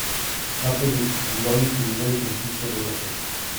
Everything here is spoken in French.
Rappelez-vous les glorieux privilèges dont jouissaient vos ancêtres.